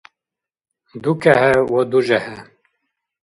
ДукехӀе ва дужехӀе.